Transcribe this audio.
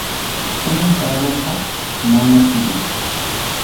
Tumpa ruphaq mana chirichu.